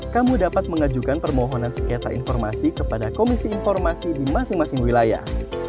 kamu dapat mengajukan permohonan sengketa informasi kepada komisi informasi di masing masing wilayah